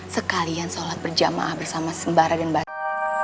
sekalian sholat berjamaah bersama sembara dan bayi